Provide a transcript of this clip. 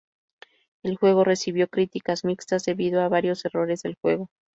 El juego recibió críticas mixtas debido a varios errores del juego.